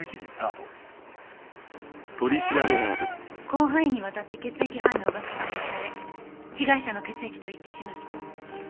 広範囲にわたって血液反応が確認され被害者の血液と一致しました。